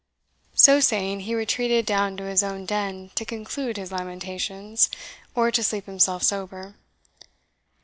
So saying, he retreated down to his own den to conclude his lamentations, or to sleep himself sober.